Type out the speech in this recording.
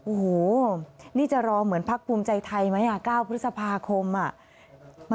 โอ้โหนี่จะรอเหมือนภักดิ์ปูมใจไทยไหมอ่ะ๙พฤษภาคมไหมอ่ะ